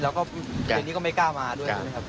แล้วก็เย็นนี้ก็ไม่กล้ามาด้วยนะครับ